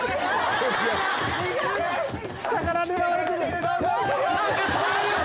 下から狙われてる！